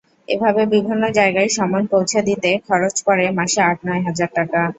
এভাবে বিভিন্ন জায়গায় সমন পৌঁছে দিতে খরচ পড়ে মাসে আট-নয় হাজার টাকা।